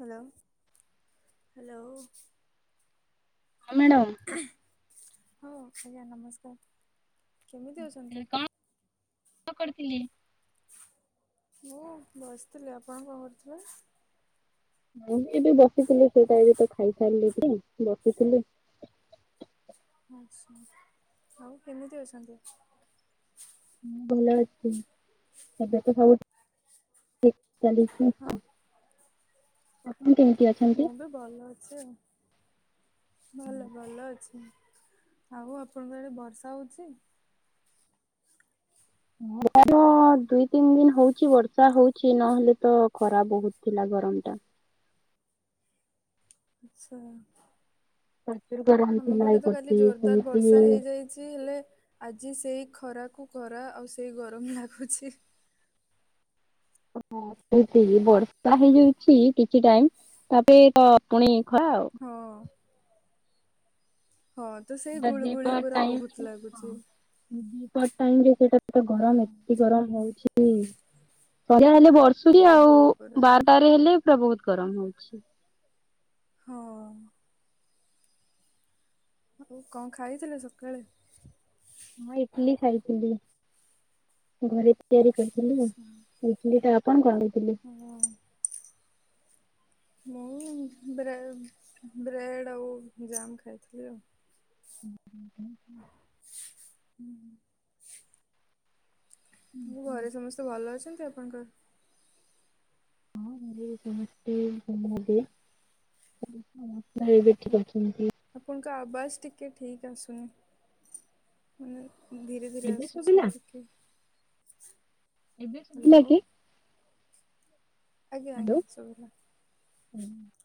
Hello. Hello. ହଁ madam. ହଁ ଆଜ୍ଞା ନମସ୍କାର କେମିତି ଅଛନ୍ତି? କଣ କରିଥିଲି? ମୁଁ ବସିଥିଲି ଆପଣ କଣ କରୁିଥିଲେ? ମୁଁ ଏବେ ବସିଥିଲି ସେଟା ଏବେ ତ ଖାଇ ସାରିଲେ କି ବସିଥିଲି ଆଚ୍ଛା ଆଉ କେମିତି ଅଛନ୍ତି? ମୁଁ ଭଲ ଅଛି ଏବେ ତ ସବୁ ଚାଲିଛି ହଁ କେମିତି? ଅଛନ୍ତି? ମୁଁ ବି ଭଲ ଅଛି ଆଉ। ଭଲ ଭଲ ଅଛି ଆଉ ଆପଣଙ୍କର ଆଡେ ବର୍ଷା ହଉଚି? [unintelligible] ହଁ ଦୁଇ ତିନି ଦିନ ହଉଚି ବର୍ଷା ହଉଚି ନହେଲେ ତ ଖରା ବହୁତ ଥିଲା ଗରମ ଟା। [inaudible] ଆଚ୍ଛା। ପ୍ରଚୁର ଗରମ ଆମ ଥିଲା ପଟେ ତ କାଲି ଏପଟେ ଜୋରଦାର ସେମିତି ବର୍ଷା ହେଇଯାଇଚି ହେଲେ ଆଜି ସେଇ ଖରାକୁ ଖରା ଆଉ ସେଇ ଗରମ ଲାଗୁଚି। ହ [inaudible] ଠିକ୍ ଠିକ୍ ବର୍ଷା ହେଇଯାଉଚି କିଛି ଟାଇମ ତାପରେ ତ ପୁଣି ଖରା ଆଉ ହଁ ହଁ ତ ସେଇ ଏଟା ଦି ଗୁଳୁଗୁଳି ପହର୍ ପୁରା ବହୁତ ଟାଇମ୍ [unintelligible] ଲାଗୁଛି। ପର୍ ଟାଇମ ରେ ସେଟା ହଁ ଗରମ ଏତେ ଗରମ ହଉଛି। ଯାହେଲେ ବର୍ଷୁଚି ଆଉ ବହୁତ ପୁରା ବାରଟାରେ ହେଲେ ପୁରା ବହୁତ ଗରମ ହଉଛି। ହଁ। ଆଉ କଣ ଖାଇଥିଲେ ସକାଳେ? ହଁ ଇଟଲି ଖାଇଥିଲି ଘରେ। ତିଆରି କରିଥିଲିି ଆଚ୍ଛା ଇଟିଲି ଟା ଆପଣ କରିଥିଲେ? ହଉ। ମୁଁ ବ୍ରେ ବ୍ରେଡ଼୍ ଆଉ ଜାମ୍ ଖାଇଥିଲି ଆଉ। [unintelligible] ହୁଁ। ମୋ ଘରେ ସମସ୍ତେ ଭଲ ଅଛନ୍ତି ଆପଣଙ୍କର? ହଁ ଘରେ ସମସ୍ତେ [unintelligible] ଭାଇ ବେଠି କରୁଚନ୍ତି। ବସ୍ ଟିକେ ଠିକ୍ ଆସୁନି ମାନେ ଧୀରେ ଧୀରେ ଏବେ ଆସୁଛି ଶୁଭିଲା ଟିକେ ଏବେ ଶୁଭିଲା ହାଲୋ। କି ଆଜ୍ଞା ଆଜ୍ଞା ହ୍ୟାଲୋ। ସୁବିଲା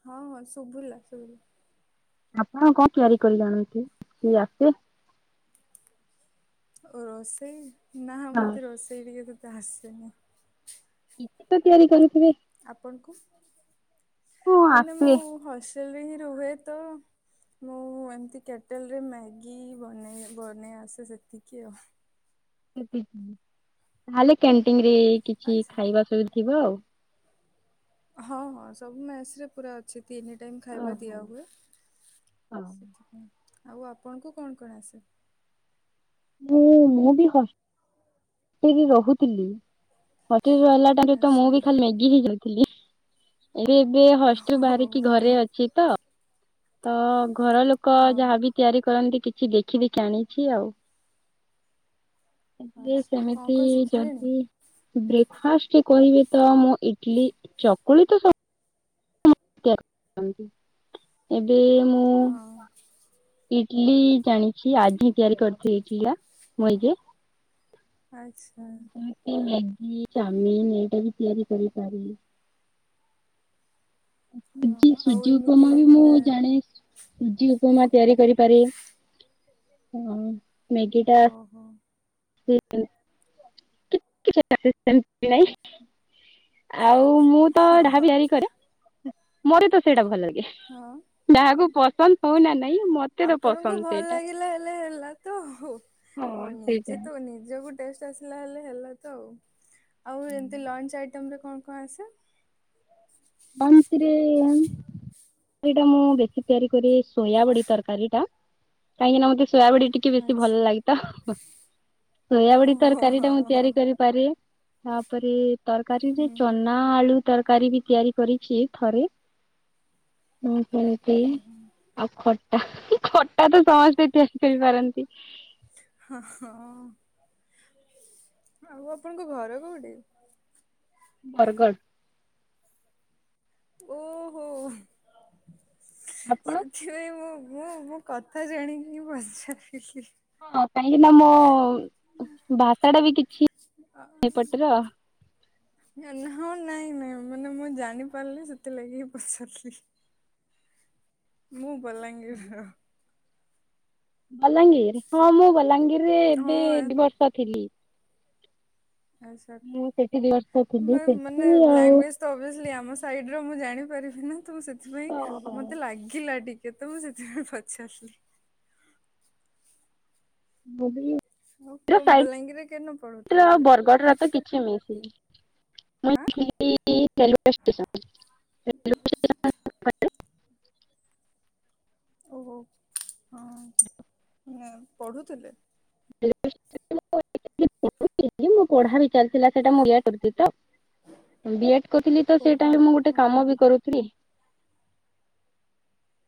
ହଁ ହଁ ଶୁଭିଲା ଶୁଭିଲା। ଆପଣ କଣ ତିଆରି କରି ଜାଣନ୍ତି? କି ଆସେ? ଓ ରୋଷେଇ ନା ହଁ ମୋତେ ରୋଷେଇ ଟିକେ ସେତେ ଆସେନି। ରୁଟି ତିଆରି କରିଥିବେ? ଆପଣଙ୍କୁ ହଁ ମାନେ ଆସେ ମୁଁ ହ ଷ୍ଟେଲ ହିଁ ରୁହେ ତ ମୁଁ ଏମିତି କେଟଲରେ ମ୍ୟାଗି ବନେଇ ବନେଇ ଆସେ ସେତିକି ଆଉ। ତାହେଲେ କ୍ୟାଣ୍ଟିନ ରେ କିଛି ଆଚ୍ଛା। ଖାଇବା ସବୁ ଥିବ ଆଉ। ହଁ ହଁ ସବୁ ମେସ ରେ ପୁରା ଅଛି। ତିନି ଟାଇମ୍ ଖାଇବା ଓହୋ ଦିଆ ହୁଏ ହଁ ସେଥିପାଇଁ ଆଉ ଆପଣଙ୍କୁ କଣ କଣ ଆସେ? ମୁଁ ମୁଁ ବି ହଷ୍ଟେଲ୍ ରେ ରହୁଥିଲି। ହଷ୍ଟେଲ୍ ରେ ରହିଲା ଟାଇମ୍ ରେ ତ ମୁଁ ଆଚ୍ଛା ବି ଖାଲି ମ୍ୟାଗି ଖାଇଥିଲି। ଏବେ ଏବେ ହଷ୍ଟେଲ୍ ଓହୋ ବାହାରିକି ଆଇ ଘରେ ଅଛି ତ ତ ଘର ଲୋକ ହଁ ଯାହାବି ତିଆରି କରନ୍ତି କିଛି ଦେଖି ଦେଖି ଆଣିଛି ଆଉ। ସେ ଆଚ୍ଛା କଣ ସେମିତି କଣ ଶିଖିଲେଣି? ଯଦି ବ୍ରେକଫାଷ୍ଟରେ କହିବେ ତ ମୁ ଇଟଲି ଚକୁଳି ତ ସ [unintelligible] ଏବେ ମୁଁ ହଁ ଇଟଲି ଜାଣିଚି ଆଜି ହଁ ତିଆରି କରିଥିଲି ଏଇଠିଆ। ମୁଇ କି ଆଚ୍ଛା ଏଇଟା ବି ତିଆରି କରି ପାରି ହଁ ସୁଜି, ଆଉ ସୁଜି ଉପ ଏମିତି ମାବି ମୁଁ ମାନେ ଜାଣେ। ସୁଜି ଉପମା ତିଆରି କରିପାରେ, ମ୍ୟାଗି ଟା ଓହୋ ାଇଁ ଆଉ [unintelligible] ମୁଁ ତ ହଁ ଡାହା ହଁ ବି ତିଆରି କରେ ମୋର ତ ସେଇଟା ଭଲ ଲାଗେ ହଁ। ଡାହାକୁ [unintelligible] କଲ କହୁନା ନାଇଁ [unintelligible] ତ ଆପଣଙ୍କୁ ପସନ୍ଦ ଭଲ ସେଇଟା ଲାଗିଲା ହେଲେ ହେଲା ତ ହଁ ସେଇଟା। ନିଜେ ତ ନିଜ ଗୋଟେ [inaudible] [inaudible] ବନ୍ଦନ୍ତିରେ ସେ ଟା ମୁଁ ବେଶୀ ତିଆରି କ ସୋୟ ବଡି ତରକାରୀ ଟା କାହିଁକିନା ମତେ ସୋୟାବଡି ଟିକେ ବେଶୀ ଭଲ ଆଚ୍ଛା ଲାଗେ ତ ସୋୟ ବଡି ଓହୋ ତରକାରୀ ଟା ହଁ ମୁଁ ହଁ ତିଆରି କରିପାରେ ତାପରେ ତରକାରୀରେ ହୁଁ ଚନା ଆଳୁ ତରକାରୀ ବି ତିଆରି କରିଛି ଥରେ ହଁ ସେ ଆଉ ଖଟା ହୁ ଖ ା ତ ସମସ୍ତେ ତିଆରି କରିପାରନ୍ତି। ହଁ ହଁ। ଆଉ ଆପଣଙ୍କ ଘର କୋଉଠି? ବର୍ଗଡ଼ ଓହୋ ଆପଣ ସେଥିପାଇଁ ମୁଁ ମୁଁ ମୋ କଥା ଜାଣିକିି ପଚାରି ହଁ କାହିଁକିନା ମୋ ଭାଷା ଟା ବି କିଛି। ଏ ପଟରା ହଁ ନାଇଁ ନାଇଁ ମାନେ ମୁଁ ଜାଣି ପାରିଲି ସେ ଲଗିି ପଚାରିଲି। ମୁଁ ବଲାଙ୍ଗୀର ବଲାଙ୍ଗୀର ହଁ ମୁଁ ବଲାଙ୍ଗୀର ରେ ହଁ ଏବେ ଦି ବର୍ଷ ଥିଲି। ଆ ମୁଁ ସେଠି ଦି ବର୍ଷ ଥିଲି ସେଠି ମାନେ ଆଉ ଲଙ୍ଗୁଏ ଜ ତାଓବିଏସ୍ଲି ଆମ ସାଇ ଟି ମୁଁ ଜାଣିପାରିବି ନା ତୁ ସେଥିପାଇଁ ମତେ ଲାଗିଲା ଟିକେ କେତେ ମୁଁ ସେଥିପାଇ ପଚ। ରିଲି। ମୁ ଓ କୁ ବ ଲଙ୍ଗରି ରତ କେ ଆଉ ବରଗଡ଼ରେ ତ କିଛି ମିଶନି ଆଁ [inaudible] ଓୋ ହଁ ପଢୁଥିଲେ ମୁ ପଢା ବିଚାରିଥିଲା ସେଇଟା ମୁଁ କରିଥିଲି ତ ବିଡ କରିଥିଲି ତ ସେଇଟା ଓହୋ ବି ମୁଁ ଗୋଟେ ହଁ କାମ ବି କରୁଥିଲି।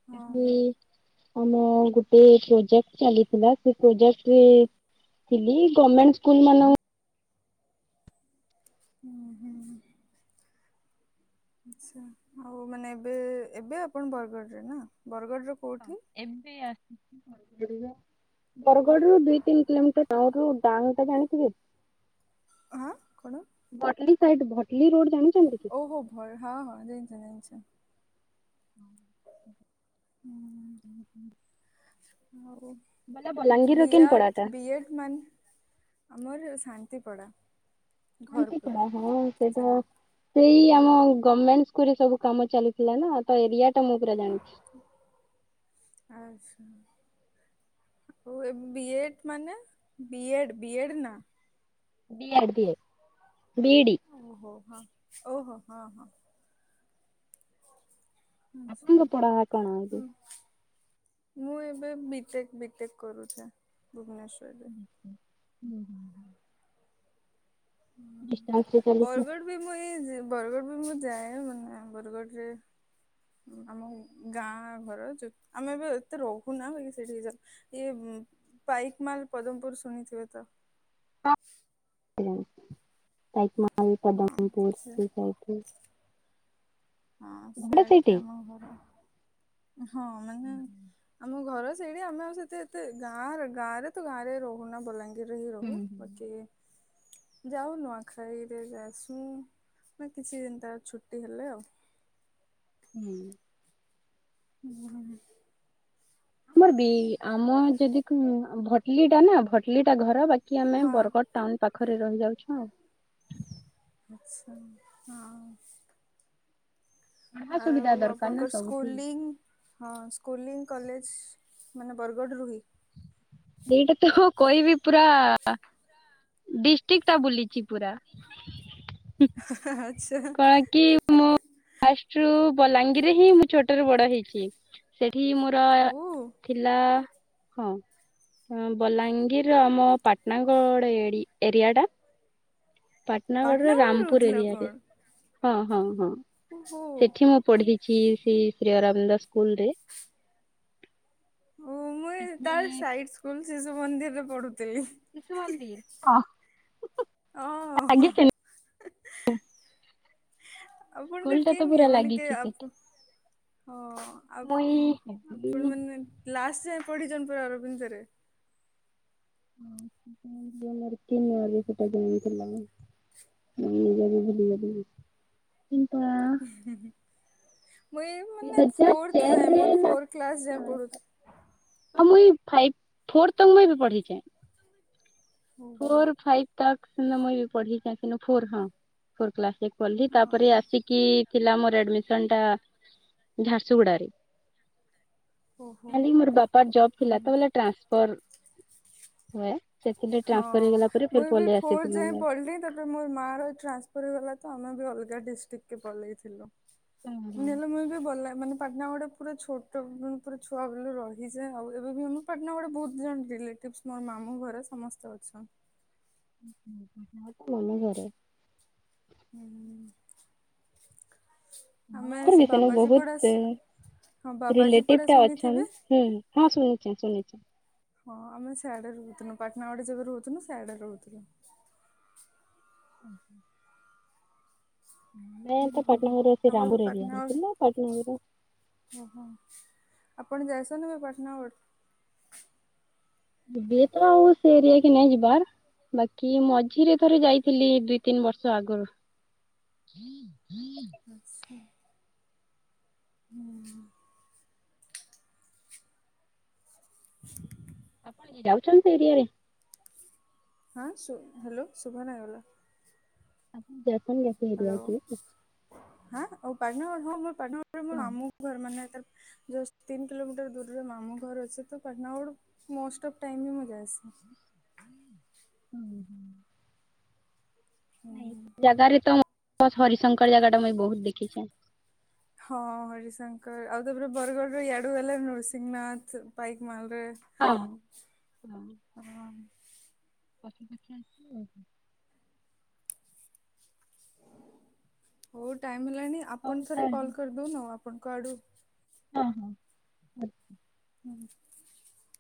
ହଁ ହଁ। ବିଆମ ଗୋଟେ ପ୍ରୋଜେକ୍ଟ ଚାଲିଥିଲା ସେ ପ୍ରୋଜେକ୍ଟ ବିଗମେଣ୍ଟ ସ୍କୁଲ ମାନଙ୍କୁ [inaudible] ଆଛା ଆଉ ମାନେ ଏବେ ଏବେ ଆପଣ ବରଗଡରେ ନା ବରଗଡରେ ଏବେ ଆସି ବର ହଁ ବରଗଡରୁୁ ଦି ତିନି କିଲୋମିଟର ଆଉରୁ ଡାଙ୍ଗ ଟା ଜାଣିଥିବେ। ଆଁ କଣ। ସାଇ ଭଟଲି ରୋଡ ଜାଣି। ଓହୋ ଭଲ ହଁ ହଁ ଜାଣିଛ ଜାଣିଛ। [inaudible] [inaudible] ଆଉ ବୋଲେ ବଲାଙ୍ଗୀରର ବି କେନ୍ ଆଡ଼ ପଡାଟା ବି ଏଡ଼ ମାନେ ଆମର ଶାନ୍ତି ପଡ଼ା ହଁ ସେଇଟା ସେଇ ହୁଁ ଆମ ଗମେଣ୍ଟ ଗୁରୁ ସବୁ କାମ ଚାଲିଥିଲା ନା ତ ଏରିଆ ଟା ମୁଁ ପୁରା ଜାଣିଛି। ବିଏଡ ମାନେ ବି ବିଏଡ ନା ଵି ଆଡ଼ ବିଏ। ବିଇଡି ଓହୋ ହୋ ଓହୋ ହୋ ହଁ। ଆଚ୍ଛା ଆପଙ୍ଗ ପଡା କଣ ଏମିତି? ମୁଁ ଏବେ ବିିଟେକ ବିିଟେକ କରୁଛି ଭୁବନେଶ୍ଵରରେ। ହୁଁ ହୁଁ ହୁଁ। ହିଁ ଚାଲିଛି ବରଗଡ଼ ବି ମୁଁ ଏଇ ବରଗଡ଼ ବି ମୁଁ ଯାଏ ମାନେ ବରଗଡ଼ରେ ଆମ ଗାଁ ଘର ଆମେ ଏବେ ଏତେ ରହୁନା ବାକି ସେଠିକୁ ଯାଉ ଇଏ ପାଇକ୍ ମାଲ ପଦମପୁର ଶୁଣିଥିବେ ତ? ହଁ ଉଁ। ପାଇକ୍ ମାଲ ହଁ ପଦାମପୁର ସେ ସେଇ ସାଇଟ୍ ରେ। ହଁ ସିଆଡେ ଆମ ଘର ହଁ ମାନେ ଆମ ଘର ସେଇଠି ଆମେ ଆଉ ସେତେ ଏତେ ଗାଁ ଗାଁରେ ତ ଗାଁରେ ରହୁନା ବଲାଙ୍ଗି ବଲାଙ୍ଗିର୍ ରେ ହି ହୁଁ ରହୁ ହୁଁ। ବାକି ଯାଉ ନୂଆଖାଇରେ ଯାଇସ୍ ମି କିଛି ଦିନ ତାର ଛୁଟି ହେଲେ ଆଉ ହୁଁ। ହୁଁ। ଆମର ବି ଆମ ଯଦି ଭଟଲି ଟା ନା ଭଟଲିଟା ଘର ବାକି କି ଆମେ ହଁ ବରଗଡ଼ ଟାଉନ ପାଖରେ ରହିଯାଉଛୁ ଆଉ। ଆଚ୍ଛା ହଁ। ଯାହା ଆଉ ସୁବିଧା ଦରକାର ନା ଆପଣଙ୍କର ସବୁଠି। ସ୍କୁଲିଂ ହଁ ସ୍କୁଂଲି କଲେଜ ମାନେ ବରଗଡ଼ରୁହି କୋଇ ବି ପୁରା ଡିଷ୍ଟ୍ରିକ୍ଟ ଟା ବୁଲିଛି ପୁରା। [inaudible] କଣ କି ମୁଁ ଫାଷ୍ଟ ରୁ ବଲାଙ୍ଗୀରରେ ହିଁ ମୁଁ ଛୋଟ ରୁ ବଡ ହେଇଛି। ସେଠି ମୋର ଓ ଥିଲା ହଁ। ହଁ ବଲାଙ୍ଗୀର ଆମ ପାଟଣାଗଡ଼ ଏଡ଼ି ଏରିଆ ଟା। ପାଟନାଗଡ଼ ର ପାଟନାଗଡ଼ରେ ରାମପୁର ରହୁଥିଲେ ଏରିଆ ରେ ଆପଣ? ହଁ ହଁ ହଁ ଓହୋ ସେଠି ମୁଁ ପଢି ଶ୍ରୀ ଶ୍ରୀ ଶ୍ରୀ ଅରବିନ୍ଦ ସ୍କୁଲ ରେ ଓ ମୁଇଁ ତାର ସେଠି ସାଇଡ୍ ସ୍କୁଲ ଶିଶୁ ମନ୍ଦିର୍ ରେ ପଢୁଥିଲି। ଶିଶୁ ମନ୍ଦିର୍ ହଁ ଆଜ୍ଞା [unintelligible] ଆପଣଙ୍କ ଭିତରୁ କିଏ ପୁରା ନିଏ ମାନେ ଲାଗିଛି ସେଠି ଆପ ହଁ ଆ ମୁଇଁ ହେବି ଆପଣ ମାନେ ଲାଷ୍ଟ୍ ଯାଏଁ ପଢ଼ିଛନ୍ତି ପରା ଅରବିନ୍ଦ ରେ [unintelligible] ମୁଁ ନିଜେ ବି ଭୁଲି ଗଲି। କିନ୍ ତା [inaudible] ମୁଁ ଏ ଦୁଇ ମାନେ ହଜାର ଫୋର୍ଥ ଯାଏଁ ଚାରିରେ ମୋର ନା ଫୋର୍ଥ କ୍ଲାସ୍ ଯାଏଁ ପଢ଼ୁଥିଲି। ଫାଇପ୍ ଫୋର୍ ତ ମୁଁଇ ବି ପଢିଛେ। ଓହୋ ଫୋର ଫାଇପ୍ ତାକ୍‌ ହେନେ ମୁଁଇ ବି ପଢ଼ିଛେ କିନ୍ତୁ ଫର ହଁ ଫୋର କ୍ଲାସ ପଢ଼ିଲି ତାପରେ ହଁ ଆସିକି ଥିଲା ମୋର ଆଡମିସନ ଟା ଝାରସୁଗୁଡାରେ। ଓହୋ। ଖାଲି ମୋର ବାପା ର୍ ଜବ ହୁଁ। ଥିଲା ତ ବଲେ ଟାନ୍ସପର ହୁଏ। ସେଥିରେ ଟ୍ରାନ୍ସ ହଁ ମୁଁ ବି ଫୋର୍ ଯାଏଁ ପଡ଼ିଲି ତାପରେ ମୋର ମା ର ଟ୍ରାନ୍ସଫର୍ ହେଇଗଲା। ତ ଆମେ ବି ଅଲଗା ଡିଷ୍ଟ୍ରିକ୍ଟ କେ ପଲେଇଥିଲୁ ହୁଁ ହୁଁ ନଲେ ମୁଁଇ ବି ବଲା ମାନେ ପାଟନା ଗଡେ ପୁରା ଛୋଟ ପୁରା ଛୁଆ ବେଲୁ ରହିଛେ ଆଉ ଏବେ ବି ଆମେ ପାଟନା ଗଡ଼େ ବହୁତ ଜାଣିଥିଲେ। ତିିପ୍ସ ମୋର ମାମୁଁ ଘରେ ସମସ୍ତେ ଅଛନ୍। କୁଅନା ଘରେ। ହୁଁ ଆମେ ସେ [unintelligible] ବାବାଜୀ ପଡା ବହୁତ। ହଁ ବାବାଜୀ ରିଲେଟିଭ ପଡା ଟା ଅଛନ୍ ଶୁଣିଥିବେ? ହୁଁ ହଁ ଶୁଣିଛି ଶୁଣିଛି। ହଁ ଆମେ ସିଆଡେ ରହୁଥିନୁ ପାଟନା ଗଡେ ଯେବେ ରହୁଥିନୁ ସିଆଡେ ରହୁଥିନଲୁ। ଓ ହୋ। ମେ ତ ପଟନାଗରୁ ସେ ଆଉ ରାମ ଏବେ ପୁର ଏରିଆ ପାଟନାଗଡ଼ ରେଥିଲୁ ପଟନାଗରୁ। ଓହୋ ଆପଣ ଯାଇଛନ୍ତି କେବେ ପାଟଣା ଗଡ। ଏବେ ତ ଆଉ ସେ ଏରିଆ କି ନାଇଁ ଯିବାର୍ ବାକି ମଝିରେ ଥରେ ଯାଇଥିଲି ଦୁଇ ତିନି ବର୍ଷ ଆଗରୁ। ଆଚ୍ଛା ହୁଁ। ଆପଣ କି ଯାଉଛନ୍ତି ଏରିଆରେ? ହାଁ ହ୍ୟାଲୋ ଶୁଭା ନାଇ ଗଲା। ଆପଣ ଯାଇଛନ୍ ଯାସେ ଏରିଆ କି। ହାଁ ଓ ପାଟନା ଗଡ ହଁ ମୋର ପାଟନା ଗଡ ରେ ମୋ ହଁ ମାମୁ ଘର ମାନେ ତାର ଯୁଷ୍ଟ ତିନି କିଲୋମିଟର ଦୂରରେ ମାମୁ ଘର ଅଛି ତ Patnagarh most of time ମୁଁ ଯାଇସିି। ହୁଁ ହୁଁ। ନାଇଁ ସେ ଜାଗାରେ ତ ହରିଶଙ୍କର ଜାଗା ଟା ମୁଇଁ ବହୁତ ଦେଖିଛେ। ହଁ ହରିଶଙ୍କର ଆଉ ତାପରେ ବରଗଡ଼ରୁ ଇଆଡୁ ହେଲେ ନୃସିଂହନାଥ ପାଇକ ମାଲ ଲ ହଁ। ହଁ ହଁ। ପଶୁପଖି ଆସିବ ଆଉ। ହଉ ଟାଇମ ହେଲାଣି ହଉ ଆପଣ ଥରେ ତାହେଲେ କଲ କରିଦଉନ ଆପଣଙ୍କ ଆଡୁ। ହଁ ହଁ ଆଛା। ହୁଁ।